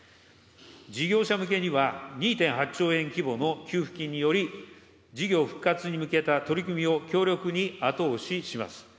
事業者向けには、２．８兆円規模の給付金により、事業復活に向けた取り組みを強力に後押しします。